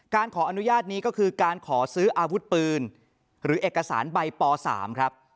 ขออนุญาตนี้ก็คือการขอซื้ออาวุธปืนหรือเอกสารใบป๓ครับ